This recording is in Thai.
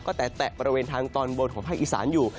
ก็แตะบริเวณทางตอนบนของภาคอีสานอยู่